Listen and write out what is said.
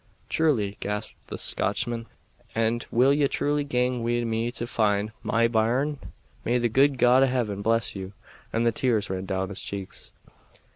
"Truly!" gasped the Scotchman. "And will ye truly gang wi' me to find my bairn? May the guid God o' heaven bless you!" and the tears ran down his cheeks.